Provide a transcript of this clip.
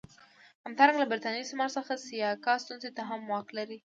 همدارنګه له برېتانوي استعمار څخه سیاکا سټیونز ته هم واک ولاړ.